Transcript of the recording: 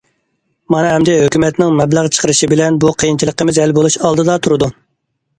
مانا ئەمدى ھۆكۈمەتنىڭ مەبلەغ چىقىرىشى بىلەن بۇ قىيىنچىلىقىمىز ھەل بولۇش ئالدىدا تۇرىدۇ.